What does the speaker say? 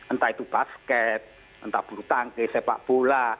entah itu basket entah buru tangke sepak bola